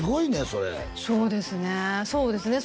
そうですね